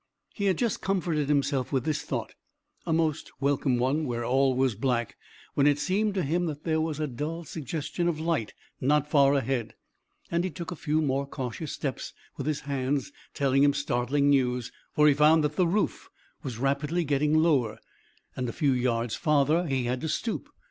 He had just comforted himself with this thought a most welcome one where all was black when it seemed to him that there was a dull suggestion of light not far ahead, and he took a few more cautious steps with his hands telling him startling news, for he found that the roof was rapidly getting lower, and a few yards farther he had to stoop.